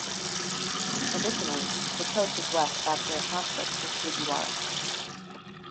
Additionally, the coach has left after a conflict with Fujiwara.